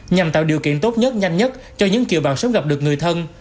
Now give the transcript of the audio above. nhằm tạo điều kiện tốt nhất nhanh nhất cho những kiều bào sớm gặp được người thân